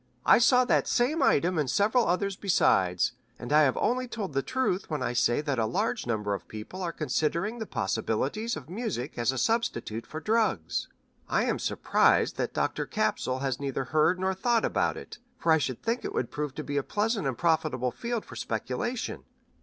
"I saw that same item and several others besides, and I have only told the truth when I say that a large number of people are considering the possibilities of music as a substitute for drugs. I am surprised that Dr. Capsule has neither heard nor thought about it, for I should think it would prove to be a pleasant and profitable field for speculation.